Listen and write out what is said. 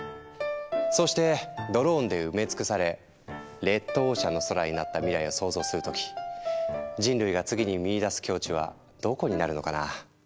そうしてドローンで埋め尽くされレッドオーシャンの空になった未来を想像する時人類が次に見いだす境地はどこになるのかな。